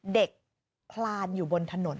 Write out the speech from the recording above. เด็กพลานอยู่บนถนน